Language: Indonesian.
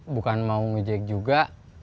bukan mau ngejek juga